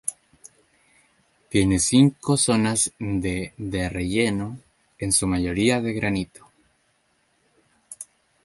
Tiene cinco zonas de de relleno, en su mayoría de granito.